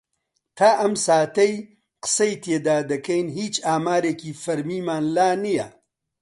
تا ئەم ساتەی قسەی تێدا دەکەین هیچ ئامارێکی فەرمیمان لا نییە.